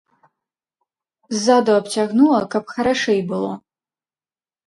Ззаду абцягнула, каб харашэй было.